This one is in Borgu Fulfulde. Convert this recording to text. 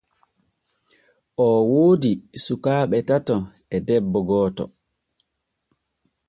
Oo woodi sukaaɓe tato e debbo gooto.